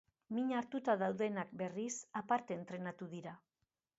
Min hartuta daudenak, berriz, aparte entrenatu dira.